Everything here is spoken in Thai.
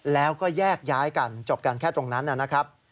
แล้วก็แยกย้ายกันจบกันแค่ตรงนั้นนะครับ